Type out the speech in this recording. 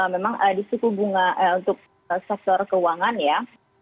memang di suku bunga untuk sektor keuangan ya